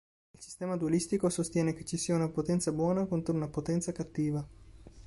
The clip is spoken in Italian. Il sistema dualistico sostiene che ci sia una potenza buona contro una potenza cattiva.